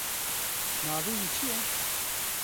Navê wî çi ye?